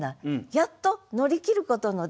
やっと乗り切ることのできる。